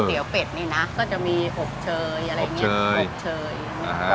ก๋วยเจ๋วเป็ดนี่น่ะก็จะมีอบเชยอะไรเงี้ยอบเชยอบเชยอ่าฮะ